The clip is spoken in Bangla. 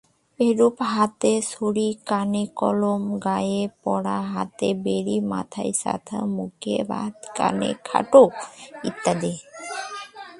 এরূপ- হাতে-ছড়ি, কানে-কলম, গায়ে-পড়া, হাতে-বেড়ি, মাথায়-ছাতা, মুখে-ভাত, কানে-খাটো ইত্যাদি।